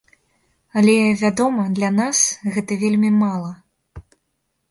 Але, вядома, для нас гэта вельмі мала.